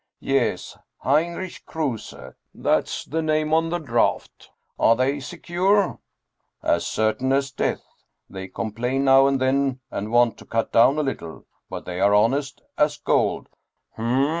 yes, Heinrich Kruse, that's the name on the draft. Are they secure ?"" As certain as death. They complain now and then and want to cut down a little, but they are honest as gold."